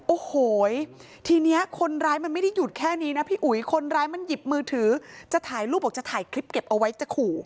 โอ้โหทีนี้คนร้ายมันไม่ได้หยุดแค่นี้นะพี่อุ๋ยคนร้ายมันหยิบมือถือจะถ่ายรูปบอกจะถ่ายคลิปเก็บเอาไว้จะขู่